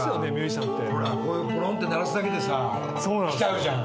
ポロンって鳴らすだけでさきちゃうじゃん。